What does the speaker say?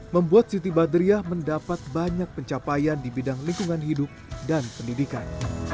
membuat siti badriah mendapat banyak pencapaian di bidang lingkungan hidup dan pendidikan